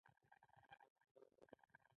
افریقایي متل وایي په یووالي کار کول بریا ده.